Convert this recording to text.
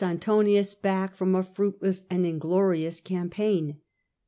Antonius back from a fruitless and inglorious campaign.